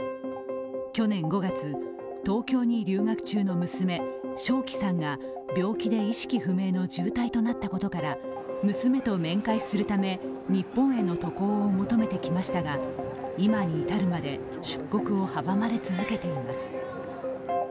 去年５月、東京に留学中の娘、正キさんが病気で意識不明の重体となったことから娘と面会するため、日本への渡航を求めてきましたが、今に至るまで出国を阻まれ続けています。